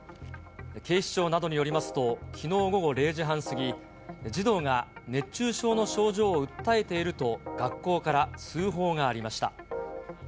警視庁などによりますと、きのう午後０時半過ぎ、児童が熱中症の症状を訴えていると学校から通報がありました。